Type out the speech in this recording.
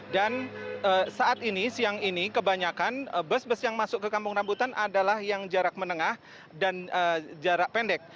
dan saat ini siang ini kebanyakan bus bus yang masuk ke kampung rambutan adalah yang jarak menengah dan jarak pendek